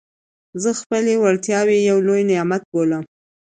زه خپلي وړتیاوي یو لوی نعمت بولم.